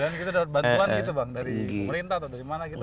kita dapat bantuan gitu bang dari pemerintah atau dari mana gitu